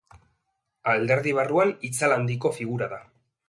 Alderdi barruan itzal handiko figura da.